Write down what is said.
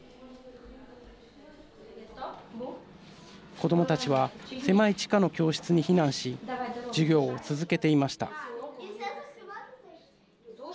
子どもたちは狭い地下の教室に避難し授業を続けていました。